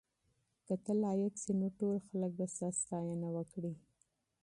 که ته لایق شې نو ټول خلک به ستا ستاینه وکړي.